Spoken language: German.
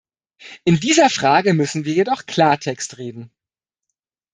In dieser Frage müssen wir jedoch Klartext reden.